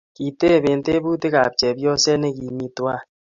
Kitebee tebutik ab chepyose nekimii tuwai